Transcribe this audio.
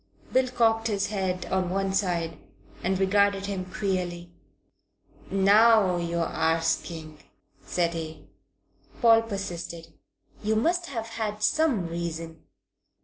Bill cocked his head on one side and regarded him queerly. "Now you're arsking," said he. Paul persisted. "You must have had some reason."